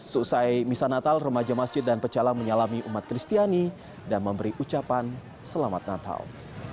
seusai misa natal remaja masjid dan pecalang menyalami umat kristiani dan memberi ucapan selamat natal